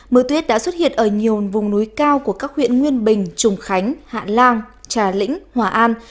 mưa tuyết đã xuất hiện ở nhiều vùng núi cao của các huyện nguyên bình trùng khánh hạ lan trà lĩnh hòa an